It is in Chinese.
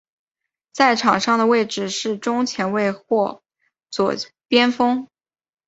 在场上的位置是中前卫或左边锋。